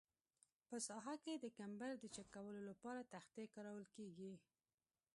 په ساحه کې د کمبر د چک کولو لپاره تختې کارول کیږي